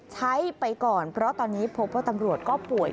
ใช้ไปก่อนเพราะตอนนี้พบว่าตำรวจก็ป่วย